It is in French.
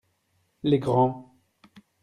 Les grands.